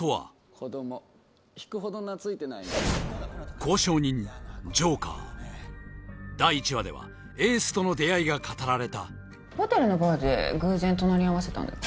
子供引くほど懐いてないね交渉人ジョーカー第１話ではエースとの出会いが語られたホテルのバーで偶然隣り合わせたんだっけ？